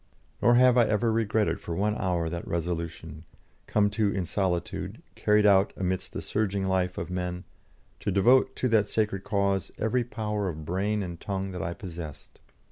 Nor have I ever regretted for one hour that resolution, come to in solitude, carried out amid the surging life of men, to devote to that sacred cause every power of brain and tongue that I possessed.